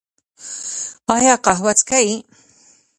ایا قهوه څښئ؟